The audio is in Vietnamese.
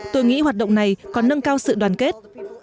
tôi nghĩ hoạt động này có nâng cao sự đoàn kết